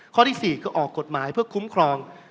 ข้อที่๔คือออกกฎหมายเพื่อคุ้มครอง